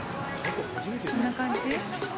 こんな感じ？